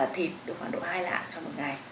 thịt được khoảng độ hai lạng cho một ngày